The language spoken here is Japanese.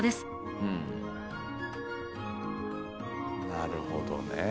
なるほどね。